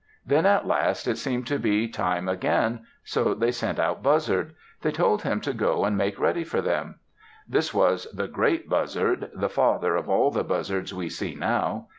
Then at last it seemed to be time again, so they sent out Buzzard; they told him to go and make ready for them. This was the Great Buzzard, the father of all the buzzards we see now.